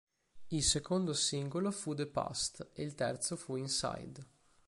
Il secondo singolo fu "The Past", e il terzo fu "Inside".